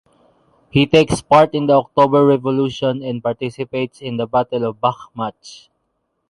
He takes part in the October Revolution and participates in the Battle of Bakhmatch.